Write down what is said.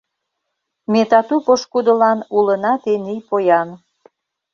Ме тату пошкудылан Улына тений поян.